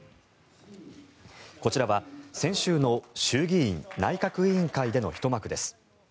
こちらは先週の衆議院内閣委員会でのひと幕です。